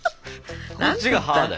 こっちが「はあ？」だよ。